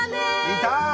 いた！